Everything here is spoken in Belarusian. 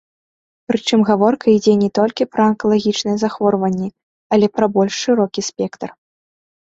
Прычым гаворка ідзе не толькі пра анкалагічныя захворванні, але пра больш шырокі спектр.